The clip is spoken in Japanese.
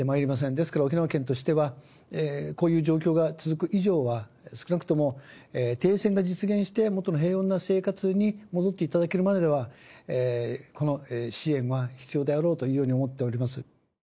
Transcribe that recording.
ですから、沖縄県としては、こういう状況が続く以上は、少なくとも停戦が実現して、もとの平穏な生活に戻っていただけるまでは、この支援は必要であろうというふうに思っております。